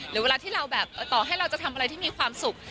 เวลาที่เราแบบต่อให้เราจะทำอะไรที่มีความสุข